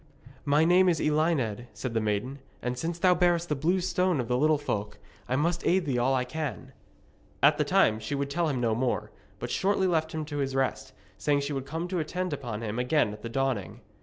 'My name is Elined,' said the maiden, 'and since thou bearest the Blue Stone of the Little Folk, I must aid thee all I can.' At that time she would tell him no more, but shortly left him to his rest, saying she would come to attend upon him again at the dawning.